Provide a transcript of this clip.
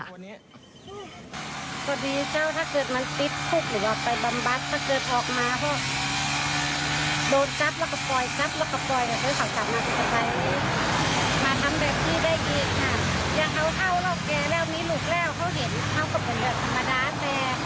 บ้านไปและห้อนขาว